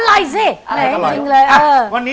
อร่อยสิ